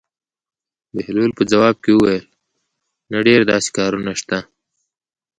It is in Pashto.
بهلول په ځواب کې وویل: نه ډېر داسې کارونه شته.